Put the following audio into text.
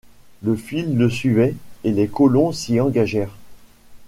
Le fil le suivait, et les colons s’y engagèrent.